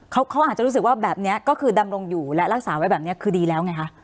เขาอาจจะรู้สึกว่าแบบนี้ก็คือดำรงอยู่และรักษาไว้แบบนี้คือดีแล้วไงคะ